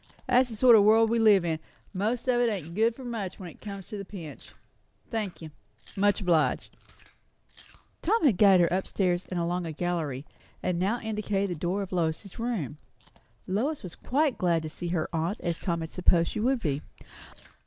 "That's the sort o' world we live in; most of it ain't good for much when it comes to the pinch. Thank you much obliged." Tom had guided her up stairs and along a gallery, and now indicated the door of Lois's room. Lois was quite as glad to see her aunt as Tom had supposed she would be.